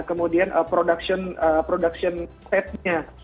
kemudian production set nya